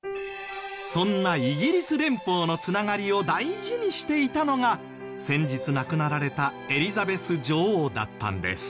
そんなイギリス連邦の繋がりを大事にしていたのが先日亡くなられたエリザベス女王だったんです。